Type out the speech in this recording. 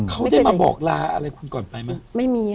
เค้าได้มาบอกลาอะไรคุณก่อนไปไหม